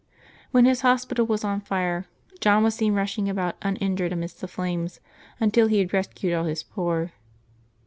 When his hos pital was on fire, John was seen rushing about uninjured amidst the flames until he had rescued all his poor.